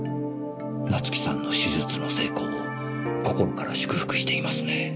夏生さんの手術の成功を心から祝福していますね。